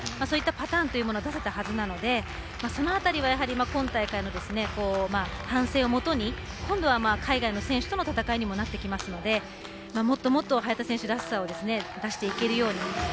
そういったパターンというのは出せたはずなので、その辺りは今大会の反省をもとに今度は、海外の選手との戦いにもなってきますのでもっともっと早田選手らしさを出していけるように。